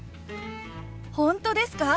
本当ですか？